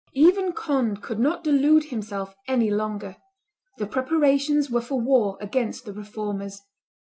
Even Conde could not delude himself any longer; the preparations were for war against the Reformers.